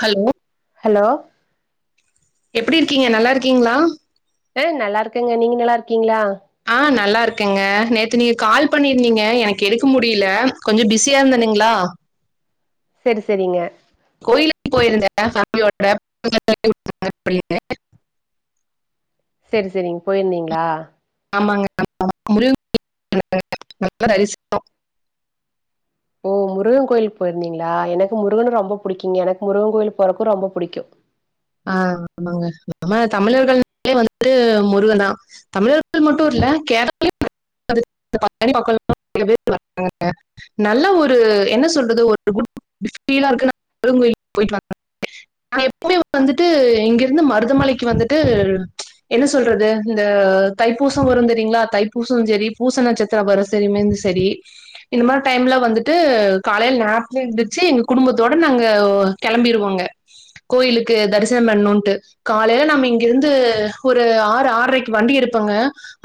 Hello hello எப்டி இருக்கீங்க நல்லா இருக்கீங்களா ஆ நல்லா இருக்கேங்க நீங்க நல்லா இருக்கீங்களா ஆ நல்லா இருக்கேங்க நேத்து நீங்க கால் பண்ணிருந்தீங்க எனக்கு எடுக்க முடியுல கொஞ்சோ பிஸியா இருந்தனுங்களா செரி செரிங்க கோயிலுக்கு போயிருந்தே ஃபேமிலியோட [unintelligible] செரி செரி நீங்க போயிருந்தீங்களா ஆமாங்க ஆமாங்க முருகன் கோயிலுக்கு போயிருந்தங்க நல்ல தரிசனோ ஓ முருகன் கோயிலுக்கு போயிருந்தீங்களா எனக்கு முருகன ரொம்ப புடிக்கிங்க எனக்கு முருகன் கோயில் போறக்கோ ரொம்போ புடிக்கோ ஆ ஆமாங்க நம்ம தமிழர்கள்னாலே வந்து முருகன்தா தமிழர்கள் மட்டு இல்ல கேரளாலயு நறைய [unintelligible] நல்ல ஒரு என்ன சொல்றது ஒரு குட் ஃபீலா இருக்குனா முருக கோயிலுக்கு போயிட்டு வந்தா நா எப்பவுமே வந்துட்டு இங்கிருந்து மருதமலைக்கு வந்துட்டு என்ன சொல்றது இந்த தைப்பூசோ வரு தெரியுங்களா தைப்பூசோ சேரி பூச நச் [unintelligible] செரி இந்த மாரி டைம்ல வந்துட்டு காலையில நேரத்துலயே எந்திருச்சி எங்க குடும்பத்தோட நாங்க கெளம்பிருவோங்க கோயிலுக்கு தரிசனம் பண்ணோம்ட்டு காலைல நாம இங்கிருந்து ஒரு ஆறு ஆறரைக்கு வண்டி எடுப்பங்க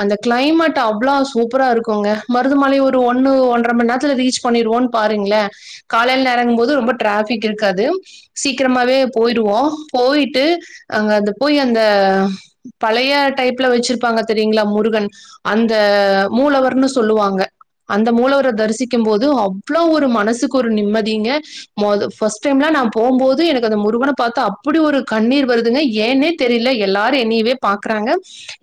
அந்த கிளைமட் அவ்ளோ சூப்பரா இருக்கோங்க மருதமலை ஒரு ஒண்ணு ஒன்றரை மணி நேரத்துல ரீச் பண்ணிருவோன் பாருங்ளே காலையில நெரங்கும் போது ரொம்ப டிராபிக் இருக்காது சீக்கிரமாவே போயிருவோ போயிட்டு அங்க அது போய் அந்த பழைய டைப்ல வெச்சிருப்பாங்க தெரியுங்களா முருகன் அந்த மூலவர்ன்னு சொல்லுவாங்க அந்த மூலவர தரிசிக்கும் போது அவ்ளோ ஒரு மனசுக்கு ஒரு நிம்மதீங்க மொத ஃபர்ஸ்ட் டைம்லா நா போம்போது எனக்கு அந்த முருகன பாத்தா அப் ப்டி ஒரு கண்ணீர் வருதுங்க ஏன்னே தெரியுல எல்லாரு என்னையவே பாக்குறாங்க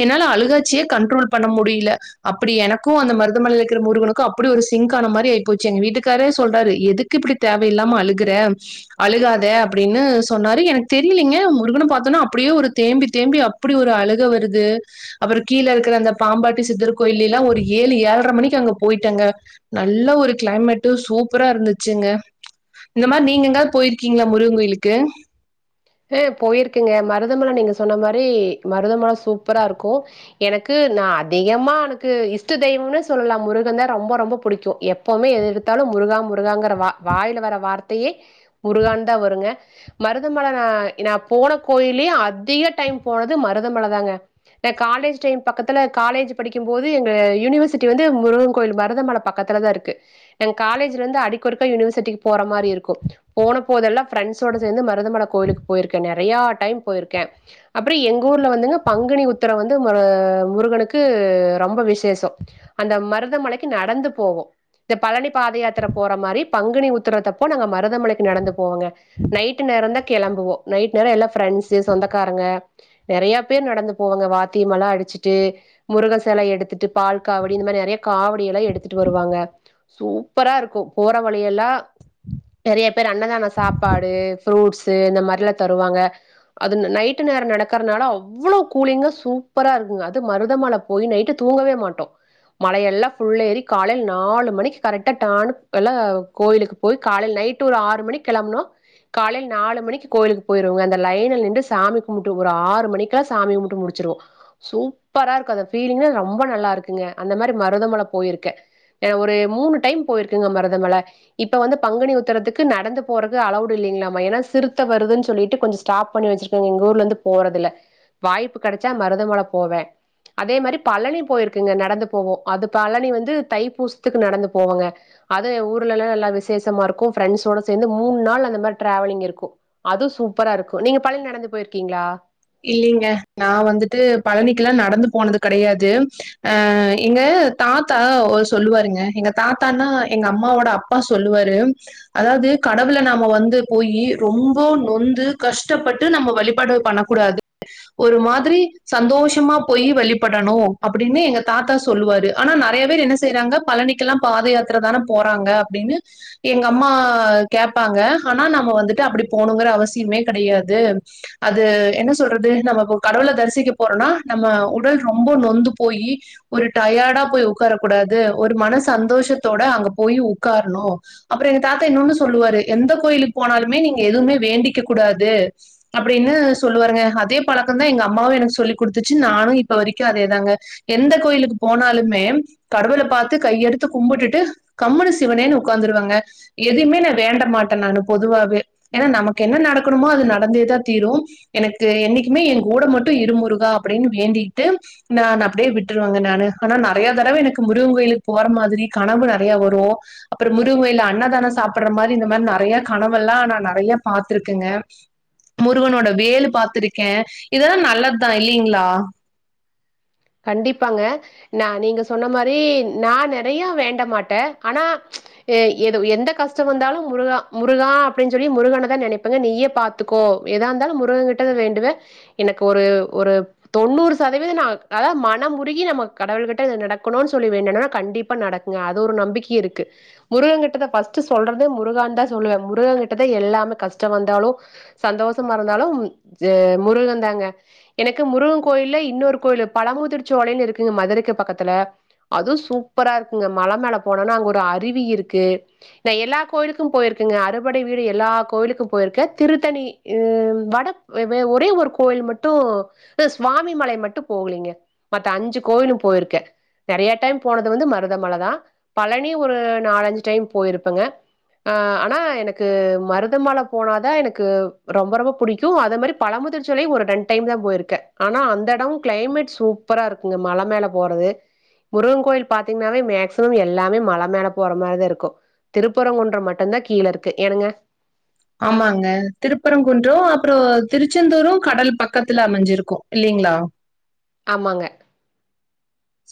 என்னால அழுகாட்சியே கண்ட்ரோல் பண்ண முடியுல அப்டி எனக்கு அந்த மருதமலையில இருக்கிற முருகனுக்கு அப்புடி ஒரு சிங்க்கான மாரி ஆயி போச்சு எங்க வீட்டுக்காரே சொல்றாரு எதுக்கு இப்புடி தேவையில்லாம அழுகுற அழுகாத அப்டின்னு சொன்னாரு எனக் தெரியிலிங்க முருகன பாத்தோன்னா அப்டியே ஒரு தேம்பி தேம்பி அப்டி ஒரு அழுக வருது அப்புறோ கீழே இருக்கிற அந்த பாம்பாட்டி சித்தர் கோயிலேலாமக்ஷ ஒரு ஏழு ஏழரை மணிக்கு அங்க போயிட்டங்க நல்ல ஒரு கிளைமேட்டு சூப்பரா இருந்துச்சுங்க இந்த மாரி நீங்க எங்காவது போயிருக்கீங்களா முருக கோயிலுக்கு ம் போயிருக்கங்க மருதமல நீங்க சொன்ன மாரி மருதமல சூப்பரா இருக்கோ எனக்கு நா அதிகமா எனக்கு இஷ்ட தெய்வம்னு சொல்லலா முருகன் தா ரொம்ப ரொம்ப புடிக்கோ எப் எப்பவுமே எத எடுத்தாலு முருகா முருகாங்கிற வா வாயில வர வார்த்தையே முருகான்தா வருங்க மருதமல ஆ நா போன கோயில்லயே அதிக டைம் போனது மருதமல தாங்க காலேஜ் டைம் பக்கத்துல காலேஜ் படிக்கும் போது எங்க யுனிவர்சிட்டி வந்து முருகன் கோயில் மருதமல பக்கத்துல தா இருக்கு என் காலேஜ்ல இருந்து அடிக்கொருக்கா யுனிவர்சிட்டிக்கு போற மாரி இருக்கோ போன போதெல்லா ஃபிரெண்ட்ஸோட சேந்து மருதம கோயிலுக்கு போயிருக்கே நறையா டைம் போயிருக்கே அப்புறோ எங்க ஊர்ல வந்துங்க பங்குனி உத்திரோ வந்து ம முருகனுக்கு ரொம்போ விசேஷோ அந்த மருதமலைக்கு நடந்து போவோ இந்த பழனி பாதயாத்திர போற மாரி பங்குனி உத்திரத்தப்ப நாங்க மருதமலைக்கு நடந்து போவோங்க நைட்டு் நேரந்தா கெளம்புவோ நைட் நேரோ எல்லா ரெண்ட்ஸு சொந்தக்காரங்க நறைய பேர் நடந்து போவாங்க வாத்தியமல்லா அடிச்சுட்டு முருகசெலை எடுத்துட்டு பால் காவடி இந்தமாரி நறைய காவடியெல்லா எடுத்துட்டு வருவாங்க சூப்பராருக்கு போற வழியெல்லா நறைய பேர் அன்னதான சாப்பாடு ஃப்ரூட்ஸ் த்து இந்த மாரிலா தருவாங்க அதுன்ன நைட்டு நேரோ நடக்கறனால அவ்ளோவு கூலிங்கா சூப்பராருக்குங்க அது மருதமல போது நைட்டு தூங்கவே மாட்டோ மலையெல்லா ஃபுல் ஏறி கால்ல நாலு மணிக்கி கரெக்டா டான்னு எல்லா கோயிலுக் போயி காலையில நைட் ஒரு ஆறு மணிக் கெளம்னோ காலையில நாலு மணிக்கு கோயிலுக்கு போயிருவோங்க அந்த லைன்ல நின்டு சாமி கும்பிட்டு ஒரு ஆறு மணிக்கா சாமி கும்பிட்டு முடிச்சிருவோ சூப்பராருக்கு அந்த ஃபீலிங்கே ரொம்ப நல்லாருக்குங்க அந்த மாரி மருதமல போயிருக்கே அ ஒரு மூணு டைம் போயிருக்கங்க மருதமல இப்ப வந்து பங்குனி உத்திரத்துக்கு நடந்து போறது அலோடு இல்லைங்களாமா ஏன்னா சிறுத்த வருதுன்னு சொல்லிட்டு கொஞ்சோ ஸ்டாப் பண்ணி வச்சிருக்காங்க எங்க ஊர்ல இருந்து போறதுல வாய்ப்பு கெடைச்சா மருதமல போவே அதே மாரி பழனி போயிருக்கங்க நடந்து போவோ அது பழனி வந்து தைப்பூசத்துக்கு நடந்து போவங்க அது ஊர்லல்லா நல்ல விசேஷமாருக்கு ஃப்ரெண்ஸோட சேந்து மூண் நாள் அந்த மாரி டிராவலிங் இருக்கு கு அது சூப்பராருக்கு நீங்க பழனி நடந்து போயிருக்கீங்களா இல்லைங்க நா வந்துட்டு பழனிக்கெல்லா நடந்து போனது கெடையாது அ எங்க தாத்தா ஒரு சொல்லுவருங்க எங்க தாத்தானா எங்க அம்மாவோட அப்பா சொல்லுவாரு அதாவது கடவுள நாம வந்து போயி ரொம்ப நொந்து கஷ்டப்பட்டு நம்ம வழிபாடு பண்ணக் கூடாது ஒரு மாதிரி சந்தோஷமா போய் வழிபடணு அப்பிடின்னு எங்க தாத்தா சொல்லுவாரு ஆனா நறைய பேர் என்ன செய் றாங்க பழனிக்கெல்லா பாதயாத்ர தான போறாங்க அப்டின்னு எங்க அம்மா கேப்பாங்க ஆனா நாம வந்துட்டு அப்படி போணுங்கற அவசியமே கடையாது அது என்ன சொல்றது நம்ம இப்ப கடவுள தரிசிக்க போறோன்னா நம்ம உடல் ரொம்ப நொந்து போயி ஒரு டயடா போய் உட்கார கூடாது ஒரு மன சந்தோஷத்தோட அங்க போய் உக்காரணு அப்புறோ எங்க தாத்தா இன்னொன்னு சொல்லுவாரு எந்த கோயிலுக் போனாலுமே நீங்க எதுவுமே வேண்டிக்க கூடாது அப்டின்னு சொல்லுவாருங்க அதே பழக்கந்தா எங்க அம்மாவு எனக்கு சொல்லி குடுத்துச்சு நானு இப்ப வரைக்கு அதேதாங்க எந்த கோயிலுக்கு போனாலுமே கடவுள பாத்து கையெடுத்து கும்புட்டுட்டு கம்முனு சிவனேனனு உக்காந்துருவங்க எதவுமே நா வேண்ட மாட்டே நானு பொதுவாவே ஏனா நமக்கு என்ன நடக்கணுமோ அது நடந்தேதா தீரு எனக்கு என்னைக்குமே எங் கூட மட்டு இரு முருகா அப்டின்னு வேண்டிட்டு நா அப்பிடியே விட்டுருவாங்க நானு ஆனா நறைய தடவ எனக்கு முருகன் கோயிலுக்கு போற மாதிரி கனவு நறைய வரு அப்புறோ முருககோயில்ல அன்னதானோ சாப்பட்றா மாதிரி இந்த மாதிரி நறைய கனவெல்லா நா நறையா பாத்துருக்கேங்க முருகனோட வேலு பாாத்திருக்கே இதெல்லா நல்லதுதா இல்லைங்களா கண்டிப்பாங்க நா நீங்க சொன்ன மாரி நா நெறைய வேண்ட மாட்டே அனா ஏ எதோ எந்த கஷ்டோ வந்தாலு முருக முருகா அப்படின்னு சொல்லி முருகனதா நெனைப்பங்க நீயே பாத் துக்கோ எதாருந்தாலு முருக கிட்டதா வேண்டுவ எனக்கு ஒரு ஒரு தொண்ணூறு சதவீதோ நா அதாவது மனம் முருகி நம்ம கடவுள்கிட்ட இத நடக்கணுன்னு சொல்லி வேண்டனா கண்டிப்பா நடக்குங்க அது ஒரு நம்பிக்கிய இருக்கு முருக கிட்டத ஃபஸ்ட் சொல்றதே முருகான் தா சொல்லுவ முருகன் கிட்டத எல்லாமே கஷ்டோ வந்தாலு சந்தோஷமா இருந்தாலு எ முருகன்தாங்க எனக்கு முருகன் கோயில்ல இன்னொரு கோயிலு பழமுதிர்ச்சோலைன்னு இருக்குங்க மதுரைக்கு பக்கத்துல அதுவு சூப்பரா இருக்குங்க மல மேல போனோன்னா அங்க ஒரு அருவி இருக்கு நா எல்லா கோயிலுக்கு போயிருக்கேங்க அறுபடை வீடு எல்லா கோயிலுக்கு போயிருக்கே திருத்தணி அ வட வெ வெ ஒரே ஒரு கோயில் மட்டு அ சுவாமி மலை மட்டு போவுலீங்க மத்த அஞ்சு கோவிலு போயிருக்கே நெறைய டைம் போனது வந்து மருதமல தா பழனி ஒரு நாலஞ்சு டைம் போயிருப்பங்க ஆ ஆனா எனக்கு மருதமல போனாதா எனக்கு ரொம்ப ரொம்ப புடிக்கு அத மாரி பழமுதிர்ச்சோலை ஒரு ரெண் டைம் தா போயிருக்க ஆனா அந்த எட க்ளைமேட் சூப்பரா இருக்குங்க மல மேல போறது முருகன் கோயில் பாத்தீங்கன்னாவே மேக்சிமம் எல்லாமே மல மேல போற மாரிதா இருக்கு திருப்புரங்குன்ற மட்டுந்தா கீழே இருக்கு ஏனுங்க ஆமாங்க திருப்பரங்குன்ற அப்பற திருச்செந்தூரு கடல் பக்கத்துல அமைஞ்சிருக்கு இல்லைங்களா ஆமாங்க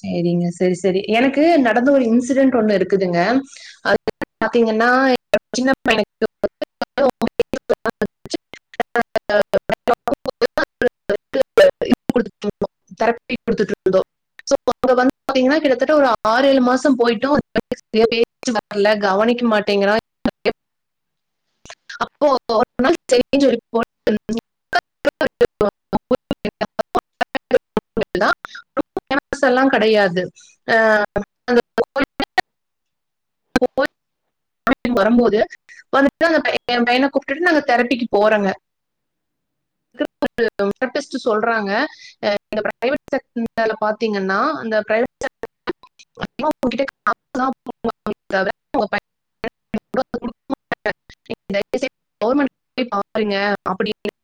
சரிங்க சரி சரி எனக்கு நடந்த ஒரு இன்சிடென்ட் ஒண்ணு இருக்குதுங்க அது பாத்தீங்கன்னா எ சின்ன பையனுக்கு [inaudible] [inaudible] குடுத்துட்டு இருந்தோ சோ அங்க வந்து பாத்தீங்கன்னா கிட்டத்தட்ட ஒரு ஆறு ஏழு மாச போயிடு [inaudible] வரல கவனிக்க மாட்டேங்கிறோ அப்போ ஒ [inaudible] [inaudible] [inaudible] கெடையாது ஆ [inaudible] [inaudible] அனு வரும்போது வந்துட்டு அந்த பையன கூப்ட்டுட்டு நாங்க தெரப்பிக்கு போறங்க [inaudible] டெஸ்ட்டு சொல்றாங்க ஆ அந்த பரவேட் செக்டர்ல பாத்தீங்கன்னா அந்த பிரவேட் செர் [inaudible] [inaudible] தயவுசயு கவுவர்மெண்ட் போய் பாருங்க அப்படினு [inaudible]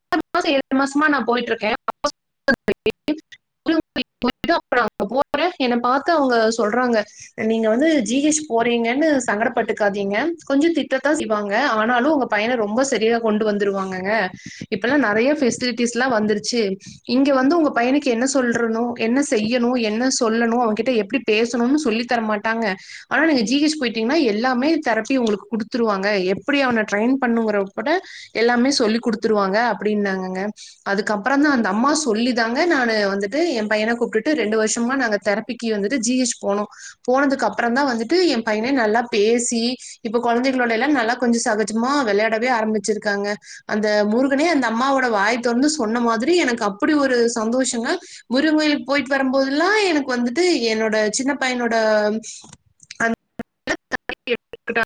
ஆறு மாச ஏழு மாசமா நா போயிட்டு இருக்கே [inaudible] [inaudible] போறே என்ன பாத்து அவங்க சொல்றாங்க நீங்க வந்து ஜி ஹச் போறீங்கன்னு சங்கடப்பட்டுக்காதீங்க கொஞ்ச திட்டத்தா செய்வாங்க ஆனாலு அங்க பையன ரொம்ப சரியா கொண்டு வந்துருவாங்கங்க இப்பல்லா நெறைய பெசிலிட்டிஸ்ல்லா வந்துருச்சு இங்க வந்து உங்க பையனுக்கு என்ன சொல்றனு என்ன செய்யணு என்ன சொல்லணு அவகிட்ட எப்டி பேசணுனு சொல்லி தரமாட்டாங்க ஆனா நீங்க ஜி ஹச் போயிட்டீங்கன்னா எல்லாமே தெரப்பி உங்களுக்கு குடுத்துருவாங்க எப்டி அவன ட்ரெயின் பண்ணுங்கற கூட எல்லாமே சொல்லி குடுத்துருவாங்க அப்படின்னாங்கங்க அதுக்கப்பறோ தா அந்த அம்மா சொல்லிதாங்க நா வந்துட்டு எ பையன கூப்ட்டுட்டு ரெண்டு வருஷமா நாங்க தெறப் பிக்கு வந்துட்டு ஜி ஹச் போனோ போனதுக்கு அப்பறந்தா வந்துட்டு எ பையன நல்லா பேசி இப்ப கொழந்தைகளோட எல்லா நல்லா கொஞ்ச சகஜமா விளையாடவே ஆரம்பிச்சிருக்காங்க அந்த முருகனே அந்த அம்மாவோட வாய் தொறந்து சொன்ன மாதிரி எனக்கு அப்டி ஒரு சந்தோஷங்க முருங்க கோயிலுக்கு போயிட்டு வரும்போதுல்லா எனக்கு வந்துட்டு என்னோட சின்ன பையனோ ட அந்த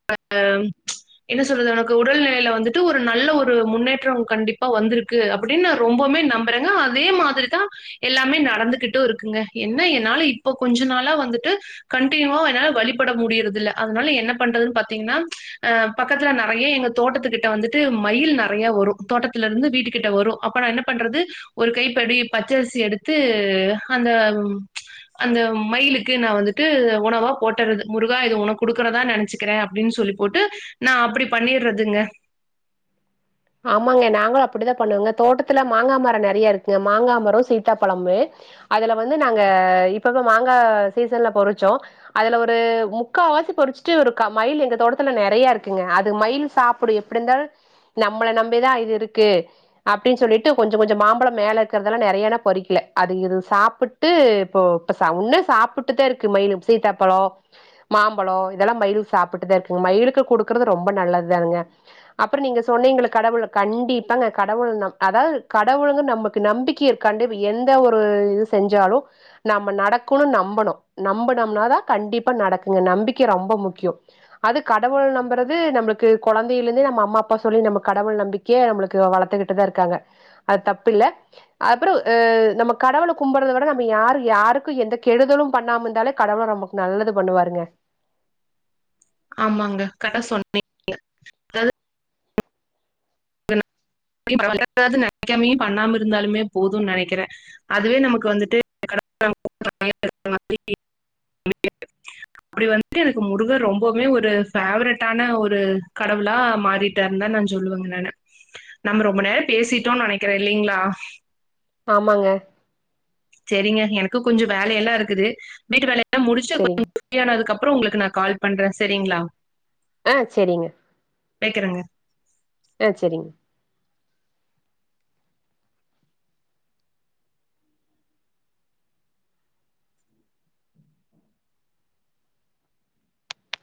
[inaudible] என்ன சொல்றது உனக்கு உடல்நிலையில வந்துட்டு ஒரு நல்ல ஒரு முன்னேற்ற கண்டிப்பா வந்திருக்கு அப்படின்னு நா ரொம்பமே நம்புறேங்க அதே மாதிரிதா எல்லாமே நடந்துகிட்டூ இருக்குங்க என்ன என்னால இப்ப கொஞ்ச நாளா வந்துட்டு கண்டினியூவா என்னால வழிப்பட முடிறதில்ல அதனால என்னப் பண்றதுன் பாத்தீங்னா அ பக்கத்துல நெறைய எங்க தோட்டத்துகிட்ட வந்துட்டு மயில் நெறைய வரு தோட்டத்துலருந்து வீட்டு கிட்ட வரு அப்ப நா என்னப் பண்றது ஒரு கைப்படி பச்சரிசி எடுத்து அந்த அந்த மயிலுக்கு நா வந்து ட்டு உணவா போட்டர்றது முருகா இது வுனக் குடுக்குறதா நெனச்சுக்கிறே அப்டின் சொல்லி போட்டு நா அப்டி பண்ணிர்றதுங்க ஆமாங்க நாங்களு அப்பிடிதாப் பண்ணுவங்க தோட்டத்துல மாங்கா மரோ நெறைய இருக்குங்க மாங்கா மரோ சீத்தாப்பழமுமே அதல வந்து நாங்க இப்பப்ப மாங்கா சீசன்லப் பொறிச்சோ அதல ஒரு முக்காவாசி பொறிச்சுட்டு ஒருக்க மயில் எங்க தோட்டத்துல நெறையா இருக்குங்க அது மயில் சாப்புடு எப் பிடிந்தாலு நம்மள நம்பிதா இது இருக்கு அப்டின் சொல்லிட்டு கொஞ்சோ கொஞ்சோ மாம்பழம் மேல இருக்கறதெல்லா நெறையா நாப் பொறிக்ல அது இது சாப்புட் ட்டு இப்போ இப்ப சா வுன்னு சாப்ட்டுதா இருக்கு மயிலு சீத்தாப்பழோ மாம்பழோ இதெல்லா மயில் சாப்புட்டுதா இருக்குங்க மயிலுக்குக் குடுக்குறது ரொம்ப நல்லத்தானங்க அப்ற நீங்கச் சொன்னீங்களக் கடவுள கண்டிப்பாங்க கடவுள் நம் அதாவது கடவுளுங்க நமக்கு நம்பிக்கையக் கண்டிப எந்த ஒரு இது செஞ்சாலு நம்ம நடக்கணுன் நம்பணு நம்பனம்னாதா கண்டிப்பா நடக்குங்க நம்பிக்கை ரொம்ப முக்யோ அது கடவுள் நம்பறது நம்ளுக்கு கொழந்தைலந்தே நம்ம அம்மாப் ப்பா சொல்லி நம்ம கடவுள் நம்பிக்கியே நம்ளுக்கு வளத்துகிட்டுதா இருக்காங்க அது தப்பில்ல அப்பறோ அ நம்மக் கடவுளக் கும்பர்றத விட நம்ம யாரு யாருக்கு எந்த கெடுதலும் பண்ணாம இந்தாலேக் கடவுள நம்மக் நல்லது பண்ணுவாருங்க ஆமாங்க கட சொன்னே [unintelligible] எதாவது நெனைக்காமியு பண்ணாம இருந்தாலுமே போதுன் நெனைக்கிறே அதுவே நமக்கு வந்துட்டு [unintelligible] அப்டி வந்து எனக்கு முருகர் ரொம்பவுமே ஒரு பேவரட்டான ஒரு கடவுளா மாறிட் ட்டார்ந்தா நாஞ் சொல்லுவங்க நானு நம்ம ரொம்ப நேரப் பேசிட்டோன் நெனைக்கிறே இல்லைங்ளா ஆமாங்க செரிங்க எனக்கு கொஞ்சோ வேலையெல்லா இருக்குது வீட்டு வேலையெல்லாம் முடிச்ட்டு செரிங் கொஞ் ப்ரீயானதுக்கப்றோ வுங்ளுக்கு நா கால் பண்றே செரிங்ளா. அ செரிங்க வெக்கறங்கே அ செரிங்க